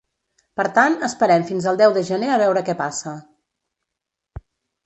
Per tant, esperem fins el deu de gener a veure què passa.